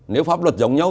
nếu pháp luật giống nhau